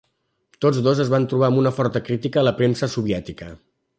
Tots dos es van trobar amb una forta crítica a la premsa soviètica.